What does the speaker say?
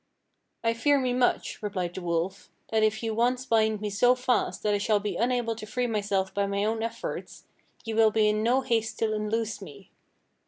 "'I fear me much,' replied he wolf, 'that if ye once bind me so fast that I shall be unable to free myself by my own efforts, ye will be in no haste to unloose me.